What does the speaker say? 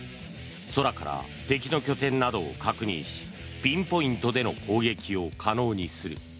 空から敵の拠点などを確認しピンポイントでの攻撃を可能にする。